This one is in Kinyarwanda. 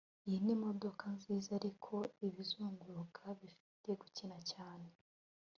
iyi ni imodoka nziza, ariko ibizunguruka bifite gukina cyane